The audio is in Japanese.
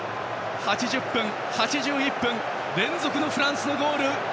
８０分、８１分連続のフランスのゴール。